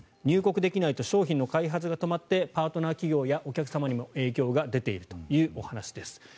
入国できないと商品の開発が止まってパートナー企業やお客様にも影響が出ているというお話です。